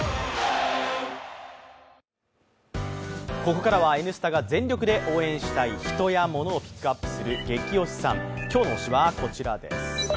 ここからは「Ｎスタ」が全力で応援したい人やモノをピックアップする「ゲキ推しさん」、今日の推しはこちらです。